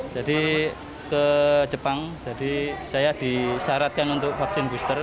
jadi ke jepang jadi saya disyaratkan untuk vaksin booster